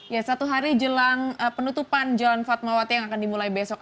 ya satu hari jelang penutupan jalan fatmawati yang akan dimulai besok